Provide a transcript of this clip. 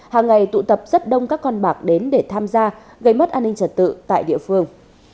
hàng ngày tụ tập rất đông các con bạc đến để tham gia gây mất an ninh trật tự tại địa phương